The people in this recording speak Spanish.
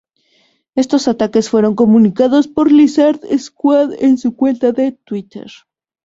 Estos ataques fueron comunicados por Lizard Squad en su cuenta de Twitter.